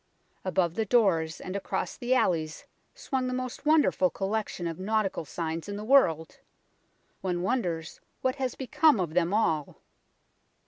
Above the doors and across the alleys swung the most wonderful collection of nautical signs in the world. One wonders what has become of them all.